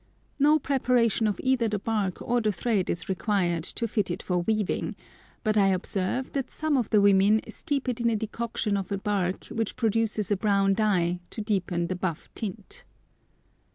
No preparation of either the bark or the thread is required to fit it for weaving, but I observe that some of the women steep it in a decoction of a bark which produces a brown dye to deepen the buff tint.